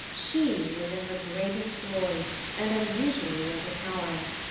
She was in her greatest glory, and unusually overpowering.